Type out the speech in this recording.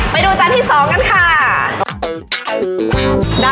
ไปดูจานที่๒กันค่ะ